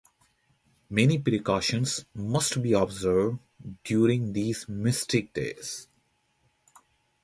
Many precautions must be observed during these mystic days.